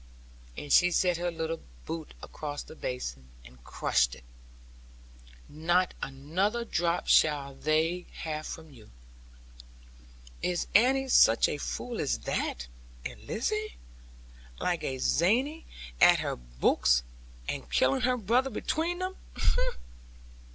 and she set her little boot across the basin, and crushed it. 'Not another drop shall they have from you. Is Annie such a fool as that? And Lizzie, like a zany, at her books! And killing her brother, between them!'